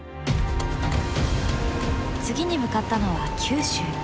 次に向かったのは九州。